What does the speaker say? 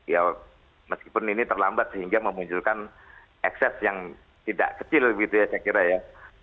ya meskipun ini terlambat sehingga memunculkan ekses yang tidak kecil gitu ya saya kira ya